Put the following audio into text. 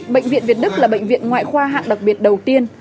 bệnh viện việt đức là bệnh viện ngoại khoa hạng đặc biệt đầu tiên